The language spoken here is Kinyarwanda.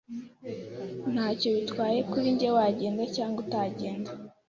Ntacyo bitwaye kuri njye wagenda cyangwa utagenda.